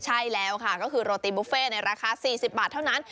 ใช่แล้วค่ะก็คือโรตีบุฟเฟ่ในราคา๔๐บาทเท่านั้น